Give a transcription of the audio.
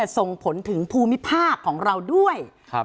ส่งผลถึงภูมิภาคของเราด้วย